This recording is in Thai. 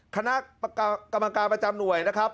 คณะกรรมการประจำหน่วยนะครับ